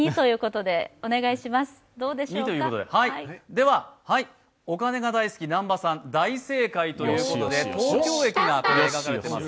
では、お金が大好き南波さん大正解ということで、東京駅が描かれています。